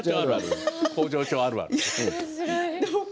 工場長あるある。